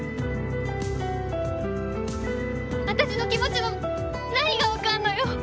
私の気持ちの何が分かんのよ？